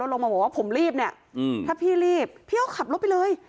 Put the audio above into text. ลงมาบอกว่าผมรีบเนี่ยถ้าพี่รีบพี่ก็ขับรถไปเลย